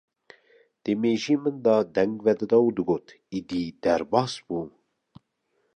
di mêjiyê min de deng vedida û digot: Êdî derbas bû!